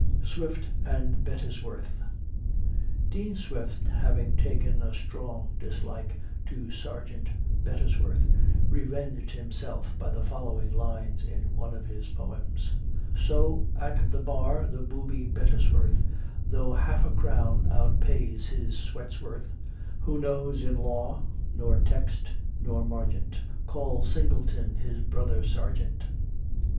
SWIFT AND BETTESWORTH. Dean Swift having taken a strong dislike to Sergeant Bettesworth, revenged himself by the following lines in one of his poems: So at the bar the booby Bettesworth, Tho' half a crown outpays his sweat's worth, Who knows in law nor text nor margent, Calls Singleton his brother sergeant.